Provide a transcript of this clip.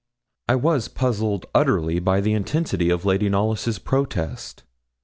I was puzzled utterly by the intensity of Lady Knollys' protest.